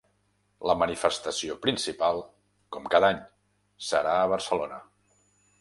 La manifestació principal, com cada any, serà a Barcelona.